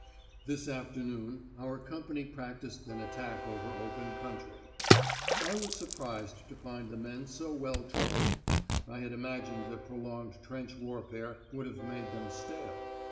This afternoon our company practised an attack over open country. I was surprised to find the men so well trained. I had imagined that prolonged trench warfare would have made them stale.